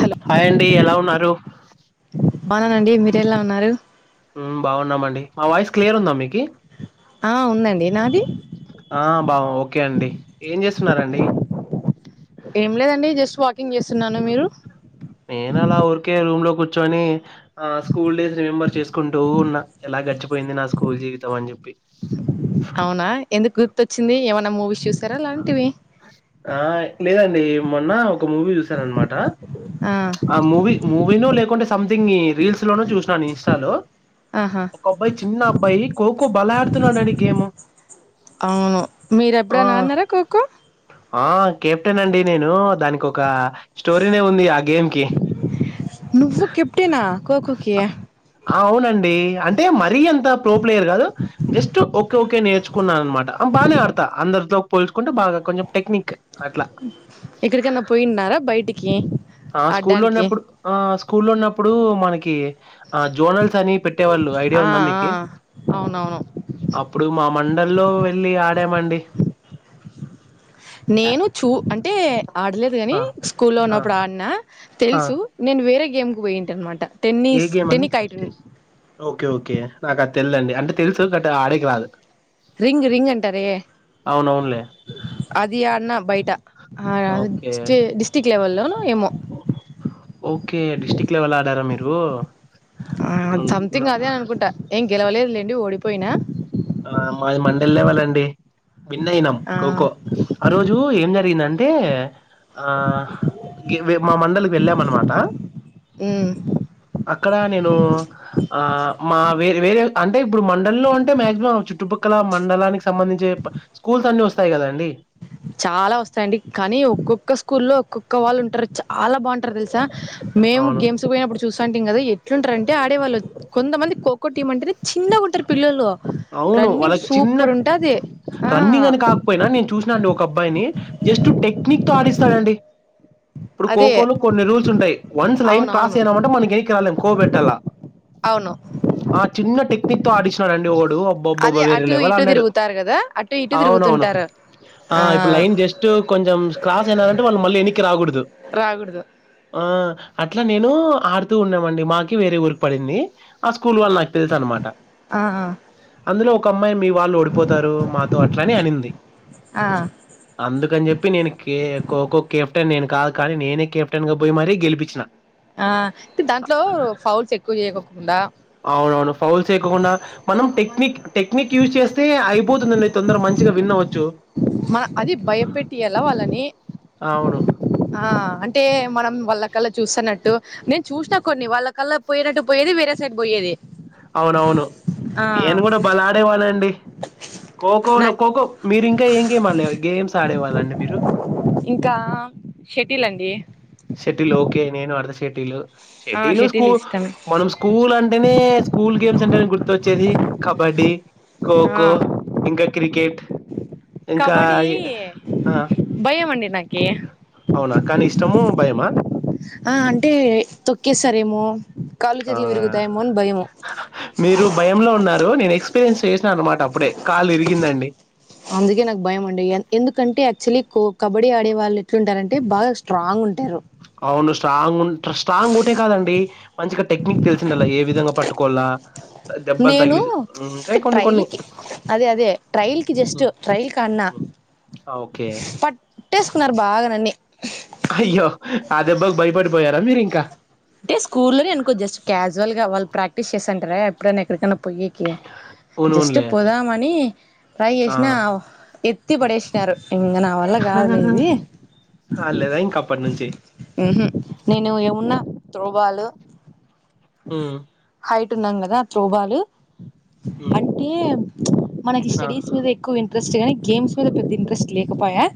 Hello hi అండి ఎలా ఉన్నారు బాగున్నానండి మీరు ఎలా ఉన్నారు ఉమ్మ్ బాగున్నామండి మా వాయిస్ క్లియర్ ఉందా మీకి ఆ ఉందండి నాది ఆ బాగ ఓకే అండి ఏం చేస్తున్నారండి ఏం లేదండి జస్ట్ వాకింగ్ చేస్తున్నాను మీరు నేను అలా ఊరికే రూమ్‌లో కూర్చొని ఆ స్కూల్ డేస్ రిమెంబర్ చేసు కుంటూ ఉన్నా ఎలా గడిచిపోయింది నా స్కూల్ జీవితం అని చెప్పి అవునా ఎందుకు గుర్తుచ్చింది ఏమైన్నా మూవీస్ చూస్తారా అలాంటివి ఆ లేదండి మొన్న ఒక మూవీ చూసానన్నమాట ఆ ఆ మూవీ మూవీనో లేకుంటే సంథింగ్ రీల్స్ లోనూ చూసినాను ఇన్స్టాలో ఆహా ఒక అబ్బాయి చిన్న అబ్బాయి ఖోఖో బలె ఆడుతున్నాడండి గేము అవును మీరు ఎప్పుడైనా ఆడి నారా కు ఆ కెప్టెన్ అండి నేను దానికి ఒక స్టోరీనే ఉంది ఆ గేమ్ కి నువ్వు కెప్టేనా కోకో కి అవునండి అంటే మరీ ఎంత ప్రో ప్లేయర్ కాదు జస్ట్ ఓకే ఓకే నేర్చుకున్నానమాట బానె ఆడతా అందరితో పోల్చుకుంటే బాగా కొంచెం టెక్నిక్ అట్లా ఇక్కడికి పోయిన్నారా బయటికి ఆ స్కూల్లో ఆడ్డానికి ఉన్నప్పుడు ఆ స్కూల్లో ఉన్నప్పుడు మనకి ఆ జోనల్స్ అని పెట్టేవాళ్ళు ఐడియా ఆ ఉందా ఆ మీకి అవునవును అప్పుడు మా మండల్లో వెళ్లి ఆడామండి యాహ్! నేను చూ అంటే ఆడలేదు కాని ఆ! స్కూల్లో ఆ! ఉన్నప్పుడు ఆడినా ఆ! తెలుసు నేను వేరే గేమ్కి పోయింటి అనమాట ఏ టెన్నిస్ గేమ్ అని టెన్నికైట్ ఓకే ఓకే నాకు అది తెల్దండి అంటే తెలుసు గట్ ఆడేకి రాదు రింగ్ రింగ్ అంటారె అవునవునులే అది ఆడినా బయట ఓకే. స్టి డిస్టిక్ లెవెల్ లో ఏమో ఓకే డిస్టిక్ లెవెల్ ఆడారా మీరు అ హ్మ్. న సంథింగ్ అదే అనుకుంటా ఏం గెలవలేదులేండి ఓడిపోయినా ఆ మాది మండల్ లెవెల్ అండి విన్ అయినాం ఆ ఖోఖో ఆ రోజు ఏం జరిగిందంటే ఆ గేవే మా మండల్ కి వెళ్ళామనమాట ఉమ్ అక్కడ నేను ఆ మా వేరే వేరే అంటే ఇప్పుడు మండళ్ళో ఉంటే మ్యా చుట్టుపక్కల మండలానికి సంబంధించే స్కూల్స్ అన్ని వస్తాయి కదా అండి చాలా వస్తాయిండి కానీ ఒక్కొక్క స్కూల్లో ఒక్కొక్క వాళ్ళు ఉంటారు చాలా బాగుంటారు తెలుసా మేము అవును గేమ్స్ పోయినప్పుడు చూస అంటేం కదా ఎట్లుంటారంటే ఆడేవాళ్ళు కొంతమంది ఖోఖో టీమ్ అంటే చిన్నగాంటారు పిల్లలు అవును రన్నింగ్ వాళ్ళకి చిన్న సూపర్ ఉంటది ఆ రన్నింగ్ అని కా పోయినా నేను చూసినా అండి ఒక అబ్బాయిని జస్ట్ టెక్నిక్ తో ఆడిస్తాడండి ఇప్పుడు అదే కోకో లో కొన్ని రూల్స్ ఉంటాయి వన్స్ లైన్ క్రాస్ అవునవును అయినా మంటే మనకి ఎనకి రాలేం కో పెట్టాల అవును ఆ చిన్న టెక్నిక్ తో ఆడిసిన రండి డ్డువాడు అబ్బబ్బబ్బ అదే వేరే అటు లేవాల్ ఇటు అడినాడు తిరుగుతారు కదా అటు ఇటు అవునవును తిరుగుతుంటారు ఆ ఇప్పుడు లైన్ జస్ట్ కొంచెం క్రాస్ అయినారంటే వాళ్ళు మళ్ళీ ఎనీక్కి రాకూడదు రాగుడదు ఆ అట్లా నేను ఆడుతూ ఉన్నామండి మాకి వేరే ఊరికి పడింది ఆ స్కూల్ వాళ్ళ నాకు తెలుసు అన్నమాట ఆ ఆ అందులో ఒక అమ్మాయి మీ వాళ్ళు ఓడిపోతారు మాతో అట్లానే అనింది ఆ అందుకని చెప్పి నేను కే కోఖో కెప్టెన్ నేను కాదు కానీ నేనే కెప్టెన్ గా పోయి మరీ గెలిపించిన ఆ తె దాంట్లో ఫౌల్స్ ఎక్కువ చేకోకుండా అవునవును ఫౌల్స్ చేయకుండా మనం టెక్నిక్ టెక్నిక్ యూజ్ చేస్తే అయిపోతుందండి తొందర మంచిగా విన్ అవచ్చు మ అది భయపెట్టి యల వాళ్ళని అవును. ఆ అంటే మనం వాళ్ళ కల్లా చూస్తన్నట్టు నేన్ చూసిన కొన్ని వాళ్ళకళ్ళ పోయినట్టు పోయేది వేరే సైడ్ పోయేది అవునవును ఆ నేను కూడా బలే ఆడేవాళండి మ్ ఖోఖో నా ఖోఖో మీరు ఇంకా ఏం గేమ్ ఆడే గేమ్స్ ఆడేవాళ్ళండి మీరు ఇంకా షటిల్ అండి షెటిలు ఓకే నేను అడుత షేటిల్ ఆ షెటీలు షటిల్ స్కూ ఇష్టం మనం స్కూ ల్ అంటేనే స్కూల్ గేమ్స్ అంటేనే గుర్తొచ్చేది కబడ్డీ ఆ ఖోఖో ఇంకా క్రికెట్ ఇంకా కబడ్డీ అయి ఆ భయం అండి నాకి అవునా కానీ ఇష్టము మా ఆ అంటే తొక్కేస్తారేమో కాళ్ళు ఆ చేతులు విరుగుతాయేమో అని భయము మీరు భయంలో ఉన్నారు నేను ఎక్స్పీరియన్స్ చేసినాను అనమాట అప్పుడే కాళ్లు విరిగిందండి అందుకే నాకు భయం అండి ఎందుకంటే యాక్చువల్లీ కో కబడ్డీ ఆడే వాళ్ళు ఎట్లుంటారంటే బాగా స్ట్రాంగ్ ఉంటారు అవును స్ట్రాంగ్ ఉన్ స్ట్రాంగ్ ఒకటే కాదండి మంచిగా టెక్నిక్ తెలిసిండలా ఏ విధంగా పట్టుకోవాలా దెబ్బలు నేను తగిలి అంటయి కొన్ని కొన్ని అదేదే ట్రైల్ కి జస్ట్ ఉమ్, ట్రైల్ కన్నా ఉమ్. ఆ ఓకే ట్టేసుకున్నారు బాగా నన్ని అయ్యో ఆ దెబ్బాకి భయపడిపోయారా మీరు ఇంకా టే స్కూల్లోనే అనుకో జస్ట్ క్యాజువల్ గా వాళ్ళు ప్రాక్టీస్ చేసంటారే ఎప్పుడన్న ఎక్కడికన్న పోయెకి జస్ట్ అవునవునులే పోదామని ట్రై ఆ! చేసినా ఎత్తి పడేసినారు ఇంగ నా వల్ల కాదులే ఇది అడ లేదా ఇంక అప్పటి నుంచి హ్మ్ హు నేను ఏమున్నా త్రోబాలు హ్మ్ హైట్ ఉన్నాం కదా త్రోబాలు హ్మ్. అంటే మనకి ఆ! స్టడీస్ మీద ఎక్కువ ఇన్ ఇంట్రెస్ట్ గానీ గేమ్స్ మీద పెద్ద ఇంట్రెస్ట్ లేకపయే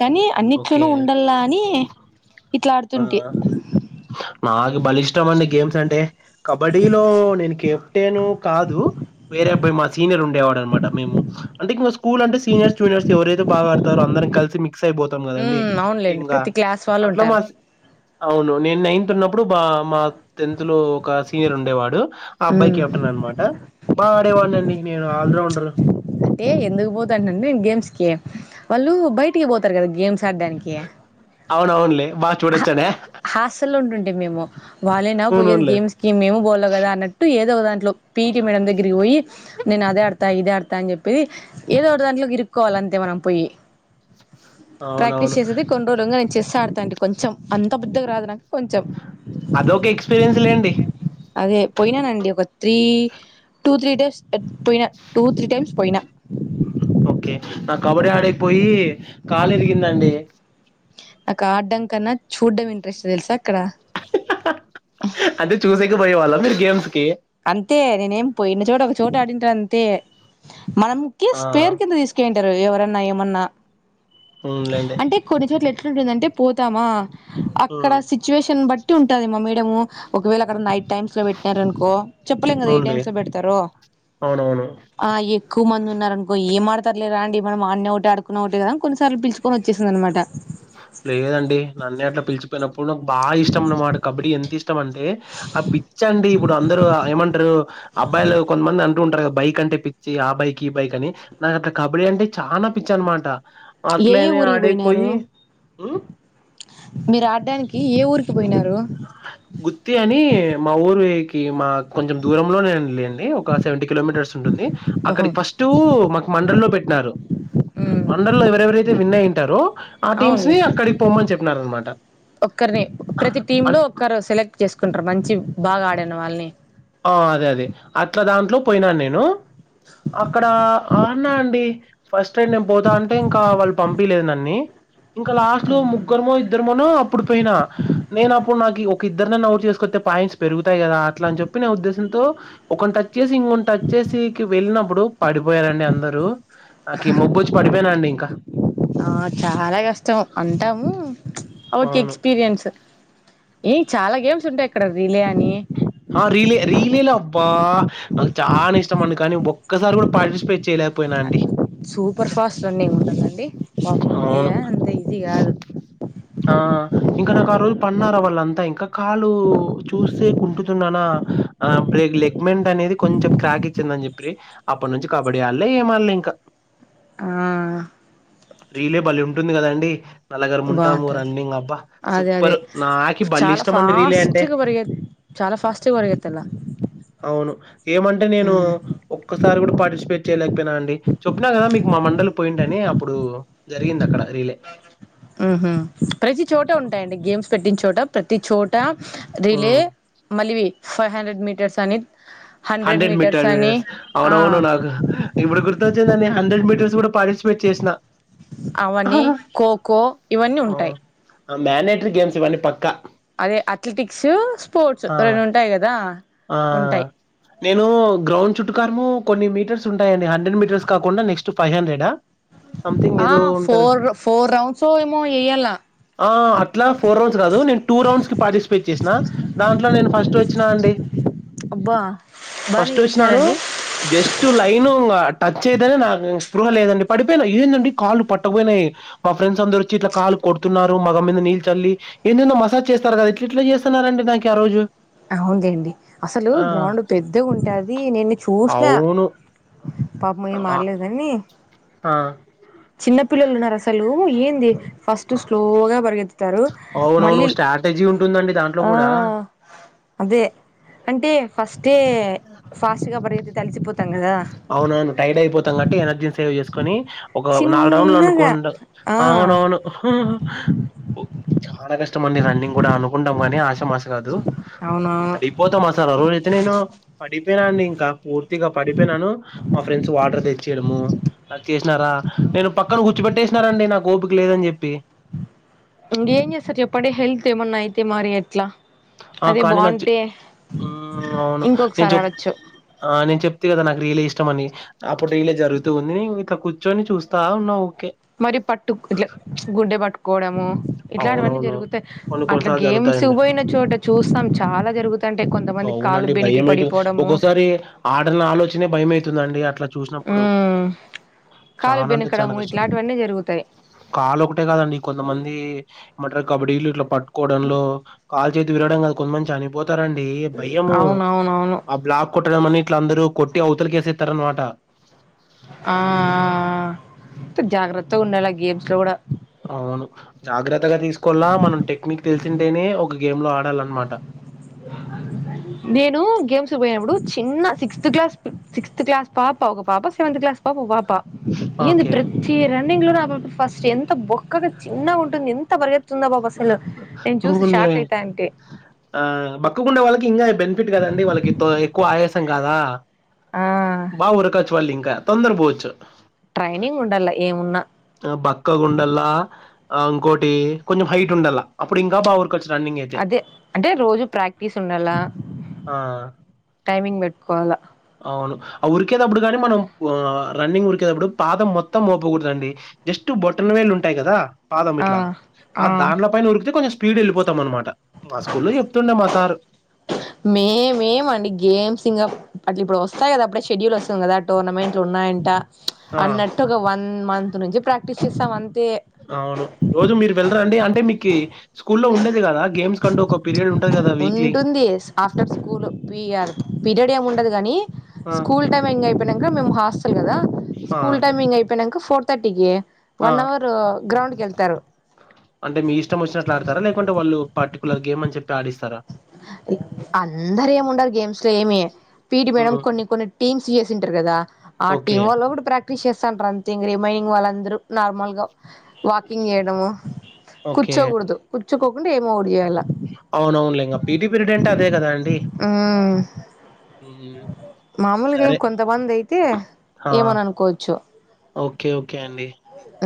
కానీ ఓకే. అన్నిట్లోను ఉండల్లా అని ఇట్లా ఆడుతుంటి నాకి బలే ఇష్టం అండి గేమ్స్ అంటే కబడ్డీలో నేను కేప్ టెను కాదు వేరే అబ్బాయ్ మా సీనియర్ ఉండేవాడు అనమాట మేము అంటే ఇంగ స్ స్కూల్ అంటే సీనియర్స్ జూనియర్ ఎవరైతే బా ఆడుతారో అదరం కలిసి మీక్స్ అయిపోత్ తం కదండి ఉమ్ అవునులేండి టీమ్గా ప్రతి క్లాస్ వాళ్ళు అట్లా మా ఉంటారు అవును నేను నైన్త్ ఉన్నప్పుడు మా మా టెన్త్ లో ఒక సీనియర్ ఉండేవాడు ఆ అబ్బాయి ఉమ్ కెప్టెన్ అనమాట వాడేమన్నాడు నీకు నేను ఆల్రౌండర్ అంటే ఎందుకు పోతంటినంటే నేను గేమ్స్ కి వాళ్ళు బయటికి పోతారు కదా గేమ్స్ ఆడ్డానికి అవునవునులే బాగా చూడొచ్చన హాసల్లో ఉండుంటీమి మేము వాళ్ళేనా పోయేది అవునవునులే. గేమ్స్ మేము బోల్ల కదా అన్నట్టు ఏదో ఒక దాంట్లో పిఇటీ మేడం దగ్గరికి పోయి నేను అది ఆడుతా ఇద ఆడుతా అని చెప్పి ఏదో ఒక దాంట్లోకి ఇరుక్కోవాల అంతే మనం పోయి ప్రాక్టీస్ అవునవును చేసేది కొన్ని రోజులు నేను చెస్ ఆడతా అండి కొంచెం అంత పెద్దగా రాదు నాకు కొంచెం అదొక ఎక్స్పీరియన్స్ లేండి. అదే పోయినానండి ఒక త్రీ టూ త్రీ టైమ్స్ పోయిన టూ త్రీ టైమ్స్ పోయినా ఓకే నాకు కబడ్డీ ఆడేకిపోయి కాలు ఇరిగిందండి నాకు ఆడ్డం కన్నా చూడ్డం ఇంట్రెస్ట్ తెలుసా అక్కడ అదే చూసేకి పోయే వాళ్ళ మీరు గేమ్స్ కి అంతే నేనేమి పోయిన చోట ఒక చోట ఆడింటా అంతే మనం కి ఆ స్పేర్ కింద తీస్ కుంటరు ఎవరన్నా ఏమన్నా హ్మ్ లెండి అంటే కొన్ని చోట్ల ఎట్లాంటుందంటే పోతామా అక్కడ హ్మ్ సిచ్యువేషన్ బట్టి ఉంటది మా మేడము ఒకవేళ అక్కడ నైట్ టైమ్స్ లో పెట్టారనుకో చెప్పలేము కదా ఎ అవునులే టైమ్స్ లో పెడతారో అవునవును ఆ ఎక్కువ మంది ఉన్నారనుకో ఏం ఆడతారులేరా అండి మనం ఆడనే ఒకటి ఆడుకున్న ఒకటే కదాని కొన్నిసార్లు పిలుచ కొని వచ్చేసిందన్న మాట లేదండి నన్నే అట్లా పిలిచిపోయినప్పుడు నాకు బాగా ఇష్టం అన్నమాట కబడ్డీ ఎంత ఇష్ టం అంటే ఆ పిచ్చి అండి ఇప్పుడు అందరూ ఏమంటారు అబ్బాయిలు కొంతమంది అంటు ఉంటారు కదా బైక్ అంటే పిచ్చి ఆ బైక్ ఈ బైక్ అని నాకు అట్లా కబడ్డీ అంటే చానా పిచ్చి అన్మాట ఏ ఏ అట్లనే ఊరికి పోయినారు ఆడేపోయి మీరు ఆడడానికి ఏ ఊరికి పోయినారు గుత్తి అని మా ఊరుకి మా కొంచెం దూరంలోనే లేండి ఒక సెవెంటీ కిలోమీటర్స్ ఉంటుంది ఓహో అక్కడికి ఫస్ట్ టూ మాకు మండలి లో పెట్టినారు ఉమ్ మండలి లో ఎవరెవరైతే విన్ అయింటారో అ టీమ్స్ అవునులే ని అక్కడికి పొమ్మని చెప్పినారన్నమాట ఒక్కరిని ప్రతి టీమ్ లో ఒక్కరు సెలెక్ట్ చేసుకుంటారు మంచి బాగా ఆడిన వాళ్ళని అ అదే అదే అట్లా దాంట్లో పోయినాను నేను అక్కడ ఆడినా అండి ఫస్ట్ టైం నేను పోతా అంటే ఇంకా వాళ్ళు పంపిలేదు నన్ని ఇంకా లాస్ట్ లో ముగ్గురుమో ఇద్దరమోనో అప్పుడు పోయినా నేను అప్పుడు నాకి ఒక ఇద్దరినన్న ఔట్ చేసుకొస్తే పాయింట్స్ పెరుగుతయి కదా అట్ల అనిచెప్ ప్పిన ఉద్దేశంతో ఒకని టచ్ చేసి ఇంకొని టచ్ చేసికి వెళ్ళినప్పుడు పడిపోయారండి అందరు నాకి మొబ్బొచ్చి పడిపోయానండి ఇంకా ఆ చాలా కష్టమే అంటాము ఓక అవును. ఎక్స్పీరియన్స్ ఏ చాలా గేమ్స్ ఉంటాయి ఇక్కడ రిలే అని రీలే రీలేలో అబ్బా నాకు చాలా ఇష్టం అండి కానీ ఒక్కసారి గూడ పార్టి చేయలేపొ సూపర్ ఫాస్ట్ రన్నింగ్ ఉంటుందండి అవును. [unintelligible] అంత ఈజీ కాదు అ ఇంకా నాకా రోజు తన్నార వాళ్ళంతా ఇంకా కాలు చూస్తే కుంటుతున్నానా ఆ బ్రేక్ లెగ్మెంట్ అనేది కొంచెం క్రాక్ ఇచ్చిందని చెప్పి అప్పటి నుంచి కబడ్డీ ఆడలే ఏం ఆళ్లే ఇంకా ఆ రీలే బలే ఉంటుంది కదండి నల్లగరుముంటాము బాగుంటది రన్నింగ్ అబ్బా అదే అదే సూపర్ నాకి బల్లే చాలా ఇష్టంమండి రీలే అంటే ఫాస్ట్గా పరిగెత్ చాలా ఫాస్ట్ గా అవును ఏమంటే నేను ఒక్కసారి గుడా పార్టిసిపేట్ చేయలేకపోయినా అండి చెప్పినా కదా మీకు మా మండలి పోయింటి అని అప్పుడు జరిగింది అక్కడ రీలే ఊహూ ప్రతి చోట ఉంటాయండి గేమ్స్ పెట్టిన చోట ప్రతి చోట రిలే హ్మ్ మలివి ఫైవ్ హండ్రెడ్ మీటర్స్ అని హండ్రెడ్ మీటర్స్ మీటర్ అని ఆ అవునవును నాకు ఇప్పుడు గుర్తు వచ్చిందండి హండ్రెడ్ మీటర్స్ కూడా పార్టిసిపేట్ చేసిన అవని ఖోఖో ఇవన్నీ ఉంటాయి మ్యాన్ డేటరీ గేమ్స్ ఇవన్నీ పక్కా అదే అట్లెటిక్స్ స్పోర్ట్స్ ఆ రెండు ఉంటాయి కదా ఆ ఉంటాయి నేను గ్రౌండ్ చుట్టుకారము కొన్ని మీటర్స్ ఉంటాయండి హండ్రెడ్ మీటర్స్ కాకుండా నెక్స్ట్ ఫైవ్ హండ్రెడ ఆ ఫోర్ ఫోర్ రౌండ్స్ ఏమో వెయ్యాల అ అట్లా ఫోర్ రౌండ్స్ కాదు నేను టూ రౌండ్స్ కి పార్టిసిపేట్ చేసినా దాంట్లో నేను ఫస్ట్ వచ్చినా అండి అబ్బా బానే ఫస్ట్ వచ్చినాను చేసినారండి జస్ట్ లైన్ టచ్ అయిదనే నాకు స్పృహ లేదండి పడిపోయినా ఏంటండి కాళ్ పట్టకపోయినాయి మా ఫ్రెండ్స్ అందరు వచ్చి ఇట్లా కాలు కొడుతున్నారు మగం మీద నీళ్ళు చల్లి ఎందెందో మసాజ్ చేస్తారు కదా ఇట్ ఇట్లా చేస్తున్నారండి నాకి ఆ రోజు అవును లేండి అసలు ఆ గ్రౌండ్ పెద్దగా ఉంటాది నేను చూసిన అవును పాపము ఏం ఆ మారలేదనీ ఆ చిన్న పిల్లలు ఉన్న రసలు ఏంది ఫస్ట్ స్లోగా పరిగెత్ తారు అవునవును మల్లి స్ట్రాటజీ ఉంటుందండి దాంట్లో ఆ కూడా అదే అంటే ఫస్టే ఫాస్ట్గా పరిగెత్తితే అలసిపోతాం కదా అవునవును టైర్డ్ అయిపోతాం కట్టి ఎనర్జీని సేవ్ చేసుకొని ఒక నాలుగు రౌండ్లు చిన్నగా అనుకోండా ఆ అవునవును చానా కష్టమండి రన్నింగ్ కూడా అనుకుంటాం కానీ ఆశ మస కాదు అవునవును పడిపోతాం అసలు ఆ రోజయితే నేను పడిపోయినాండి ఇంకా పూర్తిగా పడి పోయినాను మా ఫ్రెండ్స్ వాటర్ తెచ్చియడము నాకు చేసినారా నేను పక్కన గుర్చుపెట్టేసినారండి నాకు ఓపిక లేదని చెప్పి ఇంగ ఏం చేసార్ చెప్పండి హెల్త్ ఏమన్నా అయితే మరి ఎట్లా ఆ అదే కానీ నాకు బాగుంటే అవును నేను ఇంకొకసారి చెప్ ఆడొచ్చు ఆ నేను చెప్తి కదా నాకు రీలే ఇష్టమని అప్పుడు రీలే జరుగుతూ ఉంది నేను గిట్ల కు ర్చొని చూస్తా ఉన్నా ఉకే మరి పట్టు ఇట్లా గుండె పట్టుకోవడము ఇట్లాంటివన్నీ అవునవును జరుగుతాయి కొన్ని అట్లా కొన్నిసార్లు గేమ్స్ జరుగుతాయండి పోయిన చోట చూస్తాం చాలా జరుగుత అవునండి భయమయితుంది ఒక్కోసారి ఆడన ఆలోచనే భయమైతుందండి అట్లా చూసినప్పుడు ఉమ్ కాలు చానా అంటే చానా బెనకడము కష్టం ఇట్లాంటివన్నీ జరుగుతాయి కాలు ఒకటే కాదండి కొంతమంది ది ఏమంటారు కబడ్డీలు ఇట్లా పట్టుకోవడంలో కాల్ చేతి విరగడం కాదు కొంతమంది చనిపో తారండి భయము అవునవునవును ఆ బ్లాక్ కొట్టడంమని ఇట్లా అందరూ కొట్టి అవతలకేసేస్తారు అనమాట ఆ హ్మ్. జాగ్రత్తగా ఉండాలే గేమ్స్ లో కూడా అవును జాగ్రత్తగా తీసుకోలా మనం టెక్నిక్ తెలిసింటేనే ఒక గేమ్ లో ఆడాల అన్నమాట నేను గేమ్స్ పోయినప్పుడు చిన్న సిక్స్త్ క్లాస్ సిక్స్త్ క్లాస్ పాపా ఒక పాపా సేవంత్ క్లాస్ పాప ఓ పాప ఏంది ఓకే. ప్రతి రన్నింగ్ లో ఆ పాప ఫస్ట్ ఎంత బొక్కగా చిన్నగా ఉంటుంది ఎంత పరిగే తుంది ఆ పాప అసలు నేను చూసి అవునులే. షాక్ అయితా అంటి ఆ బక్కకుండే వాళ్ళకి ఇంకా బెనిఫిట్ కదాండి వాళ్ళకి ఎక్కువ ఆయాసం కాదా ఆ బాగ ఊరకచ్చు వాళ్ళు ఇంకా తొందర పోవచ్చు ట్రైనింగ్ ఉండాల ఏమున్నా ఆ బక్కగా ఉండల్లా ఆ ఇంకోటి కొంచెం హైట్ ఉండల్లా అప్పుడు ఇంకా బాగా ఊరకొచ్చు రన్నింగ్ అ అదే అంటే రోజు ప్రాక్టీస్ ఉండాలా ఆ! టైమింగ్ పెట్టుకోవాలా అవును అ ఉరికేదప్పుడు కానీ మనం ఆ రన్నింగ్ ఉరికేదప్పుడు పాదం మొత్తం మోపకూడదండి జస్ట్ బొట్టన వేళ్ళు ఉంటాయి కదా పాదం ఆ ఇట్ల ఆ దాంట్లో పైన ఉరికితే కొంచెం స్పీడ్ ఎళ్ళిపోతాం అనమాట మా స్కూల్లో చెప్తుండే మా సారు మేమేం అండి గేమ్స్ ఇంగ అట్ల ఇప్పుడు వస్తాయి కదా అప్పుడే షెడ్యూల్ వస్తుంది కదా టోర్నమెంట్లు ఉన్నాయంట ఆ! అన్నట్టు ఒక వన్ మంత్ నుంచి ప్రాక్టీస్ చేస్తాం అవును రోజు మీరు వెళ్ళరండి అంటే మీకి స్కూలో ఉండేది కదా గేమ్స్ కంటూ ఒక పీరియడ్ ఉంటది కదా వీక్లీ ఉంటుంది ఆఫ్టర్ స్కూల్ పిఆర్ పీరియడ్ ఏం ఉండదు గానీ ఆ! స్కూల్ టైమింగ్ అయిపోయినంక మేము హాస్టల్ కదా ఆ! స్కూల్ టైమింగ్ అయిపోయినంక ఫోర్ థర్టీకి ఆ! వన్ అవర్ గ్రౌండ్ కేళ్తారు అంటే మీ ఇష్టం వచ్చినట్లు ఆడతారా లేకుంటే వాళ్ళు పర్టికులర్ గేమ్ అని చెప్పి ఆడిస్తారా అందరూ ఏమి ఉండరు గేమ్స్‌లో ఏమి పీటి మేడం హ్మ్. కొన్ని కొన్ని టీమ్స్ చేసింటారు కదా ఆ ఓకే. టీమ్ వాళ్ళు ఒకటే ప్రా క్టీస్ చేస్తంటారు అంతే రీమైనింగ్ వాళ్ళందరూ నార్మల్‌గా వాకింగ్ చేయడము ఓకే. కూచ్చోకూడదు కూచ్చోకొకుండా ఏమో ఒకడి చేయాల అవునవునులే ఇంగ పీటీ పీరియడ్ అంటే అదే కదండి మామూలుగా సరే. ఏమి కొంతమంది అయితే ఆ! ఏమని అనుకోవచ్చు ఓకే ఓకే అండి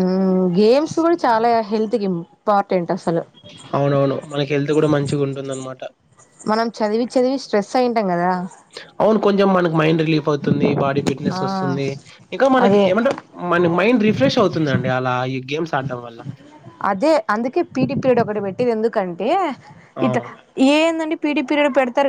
ఉమ్మ్ గేమ్స్ కూడా చాలా హెల్త్‌కి ఇంపార్టెంట్ అసలు అవునవును మనకి హెల్త్ కూడా మంచిగుంటుంది అనమాట మనం చదివి చదివి స్ట్రెస్ అయింటాం కదా అవును కొంచెం మనకి మైండ్ రిలీఫ్ అవుతుంది బాడీ ఫిట్నెస్ ఆ వస్తుంది ఇంకా మనకి అదే ఏమంటే మన మైండ్ రిఫ్రెష్ అవుతుందండి అలా ఈ గేమ్స్ ఆడం వల్ల అదే అందుకే పీటి పీరిడ్ ఒకటి పెట్టేది ఎందుకంటే ఆ! ఇట ఏందండి పిటి పీరియడ్ పెడతారు